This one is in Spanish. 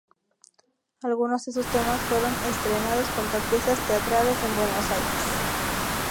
Algunos de sus temas fueron estrenados junto a piezas teatrales en Buenos Aires.